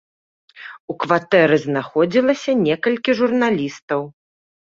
У кватэры знаходзілася некалькі журналістаў.